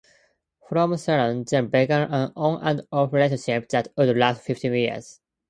From thereon, they began an on-and-off relationship that would last fifteen years.